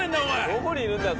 どこにいるんだよ？